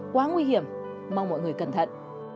quá nguy hiểm mong mọi người cẩn thận